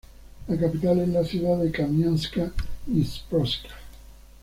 La capital es la ciudad de Kamianka-Dniprovska.